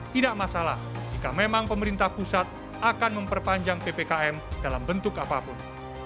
tidak masalah jika memang pemerintah pusat akan memperpanjang ppkm dalam bentuk apapun